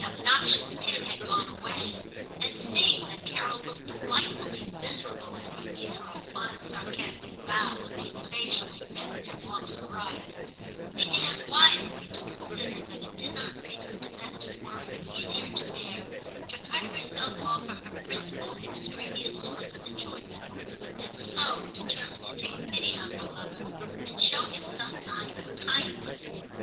obnoxious Tim had gone away, and seeing that Carol looked delightfully miserable as he made her a fine sarcastic bow when they occasionally met in their walks or rides, began wisely to consider that it did not make her domestic worries easier to bear to cut her self off from her principal extraneous source of enjoyment, and so determined to take pity on her lover, and show him some signs of kindness.